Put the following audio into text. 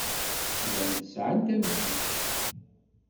Llant sɛant amcic.